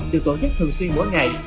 được tổ chức thường xuyên mỗi ngày